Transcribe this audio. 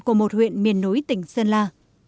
của một huyện miền núi tỉnh sơn la